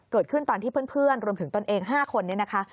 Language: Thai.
เกิดขึ้นตอนที่เพื่อนรวมถึงตนเอง๕คนนี้นะคะ